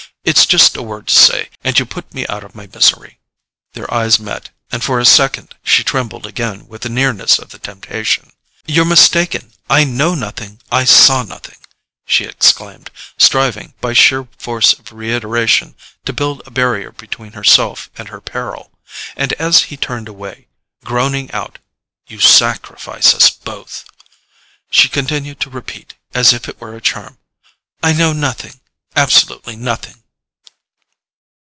It's just a word to say, and you put me out of my misery!" Their eyes met, and for a second she trembled again with the nearness of the temptation. "You're mistaken; I know nothing; I saw nothing," she exclaimed, striving, by sheer force of reiteration, to build a barrier between herself and her peril; and as he turned away, groaning out "You sacrifice us both," she continued to repeat, as if it were a charm: "I know nothing—absolutely nothing."